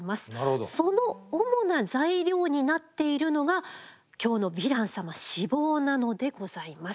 その主な材料になっているのが今日のヴィラン様脂肪なのでございます。